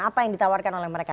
apa yang ditawarkan oleh mereka